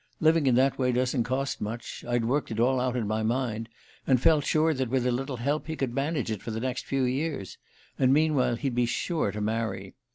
Living in that way doesn't cost much I'd worked it all out in my mind, and felt sure that, with a little help, he could manage it for the next few years; and meanwhile he'd be sure to marry.